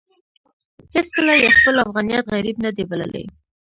هېڅکله يې خپل افغانيت غريب نه دی بللی.